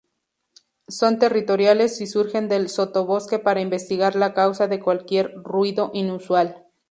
Son territoriales y surgen del sotobosque para investigar la causa de cualquier ruido inusual.